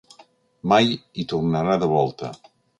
Mai hi tornarà de volta.